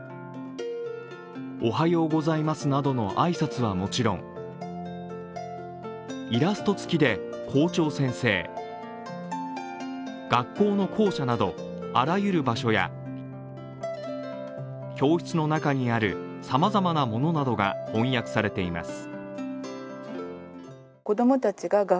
「おはようございます」などの挨拶はもちろんイラストつきで校長先生、学校の校舎など、あらゆる場所や教室の中にある様々なものなどが翻訳されています。